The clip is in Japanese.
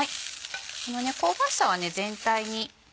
香ばしさは全体に。